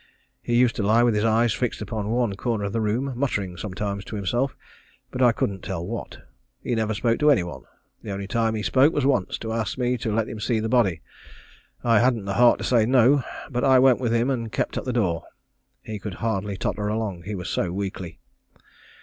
He used to lie with his eyes fixed upon one corner of the room muttering sometimes to himself, but I couldn't tell what. He never spoke to any one. The only time he spoke was once, to ask me to let him see the body. I hadn't the heart to say no; but I went with him and kept at the door. He could hardly totter along, he was so weakly.